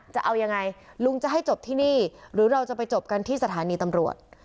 จะเอายังไงลุงจะให้จบที่นี่หรือเราจะไปจบกันที่สถานีตำรวจ